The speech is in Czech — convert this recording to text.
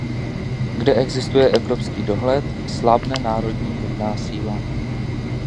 Kde existuje evropský dohled, slábne národní hybná síla.